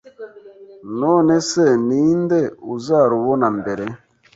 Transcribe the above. Nonese ni inde uzarubona mbere,